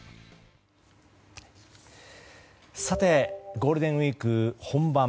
ゴールデンウィーク本番。